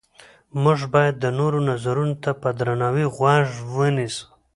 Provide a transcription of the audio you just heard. موږ باید د نورو نظرونو ته په درناوي غوږ ونیسو